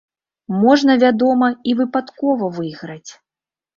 Можна, вядома, і выпадкова выйграць.